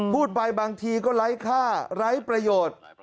พูดไปบางทีก็ไร้ค่าไร้ประโยชน์